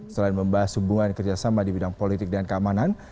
selain membahas hubungan kerjasama di bidang politik dan keamanan